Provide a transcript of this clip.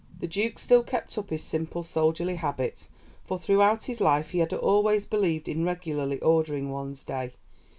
] The Duke still kept up his simple, soldierly habits, for throughout his life he had always believed in regularly ordering one's day.